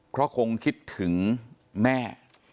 เขาคงคิดถึงแม่